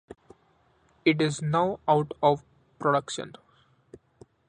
It is now out of production.